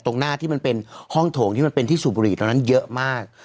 ตรงหน้าที่มันเป็นห้องโถงที่มันเป็นที่สูบบุหรี่ตอนนั้นเยอะมาก